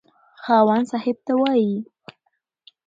خاوند صاحب ته وايي.